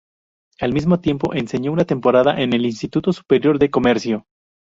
Al mismo tiempo, enseñó una temporada en el Instituto Superior de Comercio.